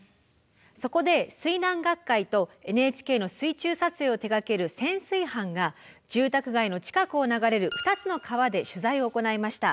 そこで水難学会とＮＨＫの水中撮影を手がける潜水班が住宅街の近くを流れる２つの川で取材を行いました。